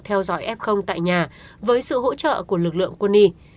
theo dõi f tại nhà với sự hỗ trợ của lực lượng quân y